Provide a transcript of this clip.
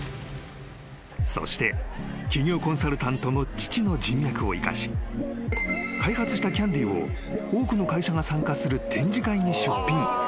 ［そして企業コンサルタントの父の人脈を生かし開発したキャンディーを多くの会社が参加する展示会に出品］